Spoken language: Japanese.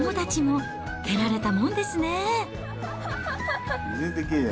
もう一回、子どもたちも手慣れたもんですね。